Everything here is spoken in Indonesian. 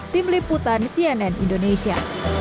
tim liputan cnn indonesia